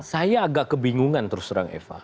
saya agak kebingungan terus terang eva